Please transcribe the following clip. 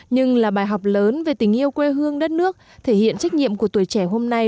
nhưng là bài học lớn về tình yêu quê hương đất nước thể hiện trách nhiệm của tuổi trẻ hôm nay